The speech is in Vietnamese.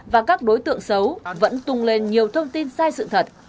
và các đối tượng xấu vẫn tung lên nhiều thông tin sai sự thật